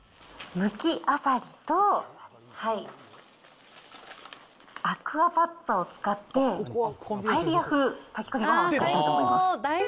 むきあさりとアクアパッツァを使って、パエリア風炊き込みご飯を作りたいと思います。